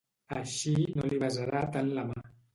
Així no li besarà tant la mà.